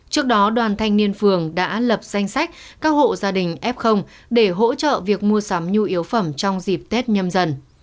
trước đó đoàn thanh niên phường đã lập danh sách các hộ gia đình f để hỗ trợ việc mua sắm nhu yếu phẩm trong dịp tết nhâm dần